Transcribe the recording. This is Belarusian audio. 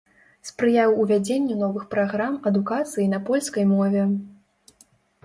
Спрыяў увядзенню новых праграм адукацыі на польскай мове.